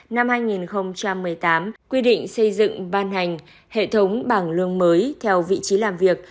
năm hai nghìn một mươi tám quy định xây dựng ban hành hệ thống bảng lương mới theo vị trí làm việc